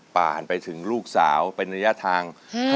ผ่านไปถึงลูกสาวเป็นระยะทาง